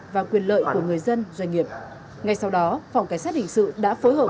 và quyền lợi của người dân doanh nghiệp ngay sau đó phòng cảnh sát hình sự đã phối hợp